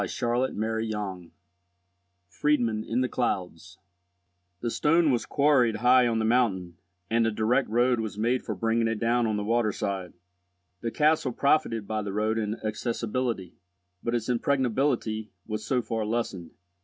CHAPTER XVIII FRIEDMUND IN THE CLOUDS THE stone was quarried high on the mountain, and a direct road was made for bringing it down to the water side. The castle profited by the road in accessibility, but its impregnability was so far lessened.